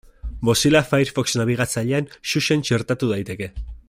Mozilla Firefox nabigatzailean Xuxen txertatu daiteke.